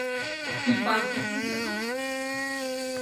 তুই পার হসনি কেন?